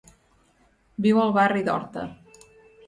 Viu al barri d'Horta.